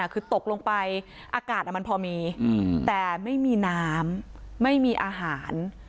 คือตกลงไปอากาศมันพอมีแต่ไม่มีน้ำไม่มีอาหาร